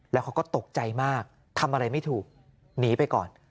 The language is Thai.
แล้วเขาก็ตกใจมากทำอะไรไม่ถูกหนีไปก่อน